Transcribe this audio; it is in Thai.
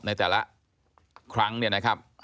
ในแต่ละครั้งเนี่ยนะครับ